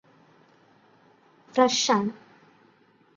fresh ആണ്